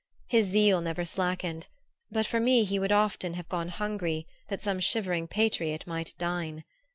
His zeal never slackened; and but for me he would often have gone hungry that some shivering patriot might dine.